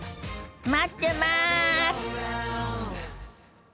待ってます！